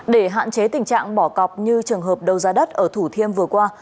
để hạn chế tình trạng bỏ cọc như trường hợp đầu ra đất ở thủ thiêm vừa qua